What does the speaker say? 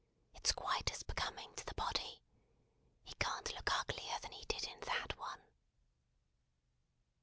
It's quite as becoming to the body. He can't look uglier than he did in that one."